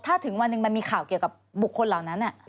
ถ้าถึงวันหนึ่งมันมีข่าวเกี่ยวกับบุคคลเหล่านั้น